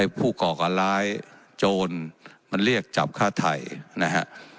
ผู้ก่อการร้ายโจรมันเรียกจับฆ่าไทยนะฮะ